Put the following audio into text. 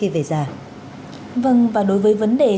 vâng và đối với vấn đề